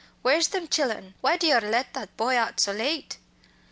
Where's them chillen? Why do yer let that boy out so late?"